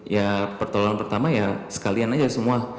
ya pertolongan pertama ya sekalian aja semua